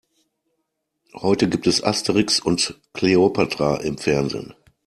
Heute gibt es Asterix und Kleopatra im Fernsehen.